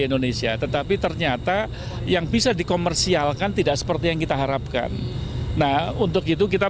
indonesia tetapi ternyata yang bisa dikomersialkan tidak seperti yang kita harapkan nah untuk itu kita